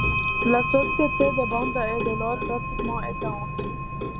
La société des Banda est dès lors pratiquement éteinte.